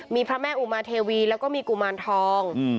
มีพระแม่อุมาเทวีแล้วก็มีกุมารทอง